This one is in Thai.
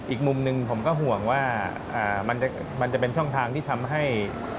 อีกมุมหนึ่งผมก็ห่วงว่ามันจะเป็นช่องทางที่ทำให้